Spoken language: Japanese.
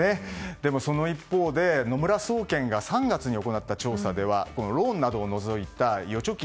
でも、その一方で野村総研が３月に行った調査ではローンなどを除いた預貯金